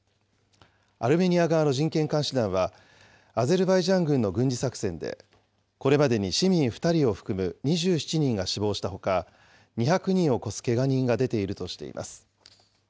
アルメニア側の人権監視団は、アゼルバイジャン軍の軍事作戦で、これまでに市民２人を含む２７人が死亡したほか、２００人を超すけが人が出ているとしています。